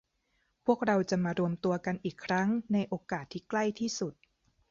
พวกเราจะมารวมตัวกันอีกครั้งในโอกาสที่ใกล้ที่สุด